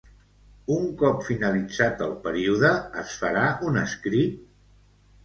Un cop finalitzat el període, es farà un escrit?